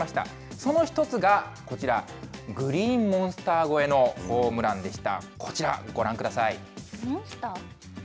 その一つがこちら、グリーンモンスター越えのホームランでした。